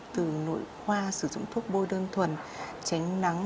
từ nội khoa sử dụng thuốc bôi đơn thuần tránh nắng